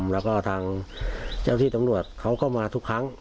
แล้วก็ทางเจ้าที่ตำรวจเขาก็มาทุกครั้ง